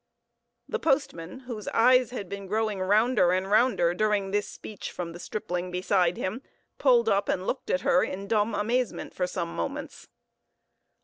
The postman, whose eyes had been growing rounder and rounder during this speech from the stripling beside him, pulled up and looked at her in dumb amazement for some moments.